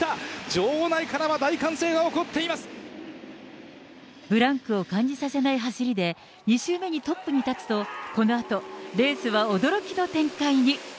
場内からは大歓声が起こっていまブランクを感じさせない走りで、２周目にトップに立つと、このあとレースは驚きの展開に。